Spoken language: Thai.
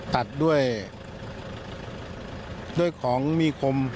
ตัดด้วยของมีคม